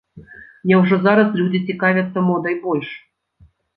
Няўжо зараз людзі цікавяцца модай больш?